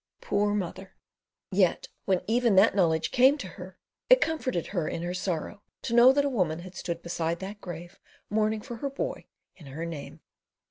Poor mother! Yet, when even that knowledge came to her, it comforted her in her sorrow to know that a woman had stood beside that grave mourning for her boy in her name.